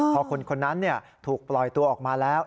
พอคนนั้นถูกปล่อยตัวออกมาแล้ว